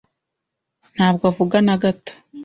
Ntabwo avuga na gato.